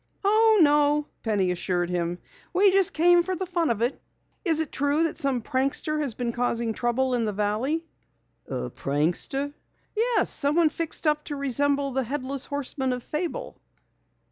"Oh, no," Penny assured him. "We just came for the fun of it. Is it true that some prankster has been causing trouble in the valley?" "Prankster?" "Yes, someone fixed up to resemble the Headless Horseman of fable."